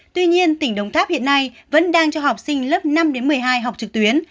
tuy nhiên tỉnh đồng tháp hiện nay vẫn đang cho học sinh lớp năm đến một mươi hai học trực tuyến